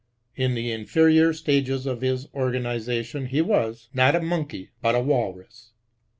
In the inferior stages of his organiza^ tion he was, not a Monkey, but a Walrus.